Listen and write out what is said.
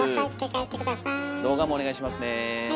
動画もお願いしますね。